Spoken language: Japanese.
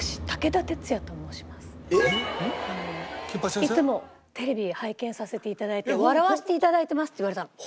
「いつもテレビで拝見させて頂いて笑わせて頂いてます」って言われたの。